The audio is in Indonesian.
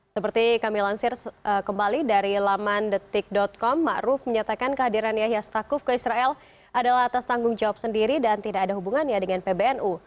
seperti kami lansir kembali dari laman detik com ⁇ maruf ⁇ menyatakan kehadiran yahya stakuf ke israel adalah atas tanggung jawab sendiri dan tidak ada hubungannya dengan pbnu